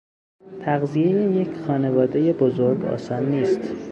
تغذیهی یک خانوادهی بزرگ آسان نیست.